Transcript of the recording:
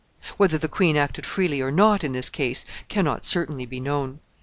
] Whether the queen acted freely or not in this case can not certainly be known.